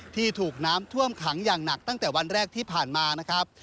ที่ถูกน้ำท่วมขังอย่างหนักตั้งแต่วันแรกที่ผ่านมานะครับ